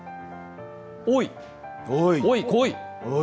おい、こい。